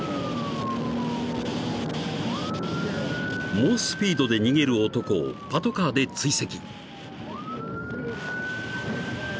［猛スピードで逃げる男をパトカーで追跡］